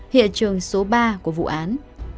hiện trường số ba của vụ án